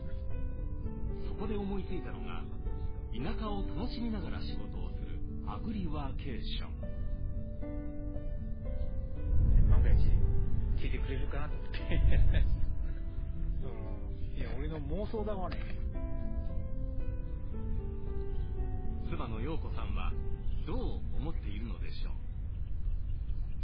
そこで思いついたのが田舎を楽しみながら仕事をする妻の陽子さんはどう思っているのでしょう？